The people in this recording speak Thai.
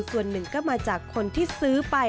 ส่วนหนึ่งก็มาจากคนที่ซื้อไป